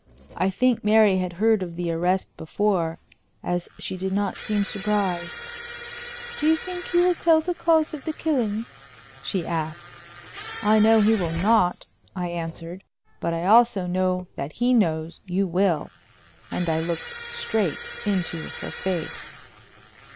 I think Mary had heard of the arrest before, as she did not seem surprised. "Do you think he will tell the cause of the killing?" she asked. "I know he will not," I answered; "but I also know that he knows you will," and I looked straight into her face.